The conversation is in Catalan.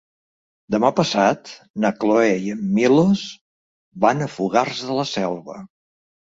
Demà passat na Cloè i en Milos van a Fogars de la Selva.